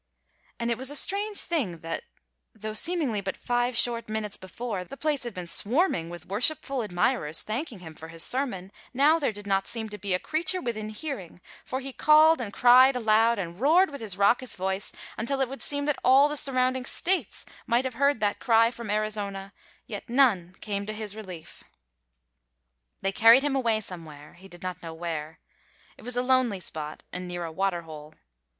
And it was a strange thing that, though seemingly but five short minutes before the place had been swarming with worshipful admirers thanking him for his sermon, now there did not seem to be a creature within hearing, for he called and cried aloud and roared with his raucous voice until it would seem that all the surrounding States might have heard that cry from Arizona, yet none came to his relief. They carried him away somewhere, he did not know where; it was a lonely spot and near a water hole.